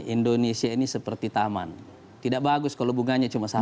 indonesia ini seperti taman tidak bagus kalau bunganya cuma satu